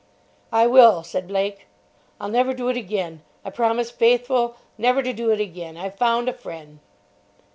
"I will," said Blake. "I'll never do it again. I promise faithful never to do it again. I've found a fren'."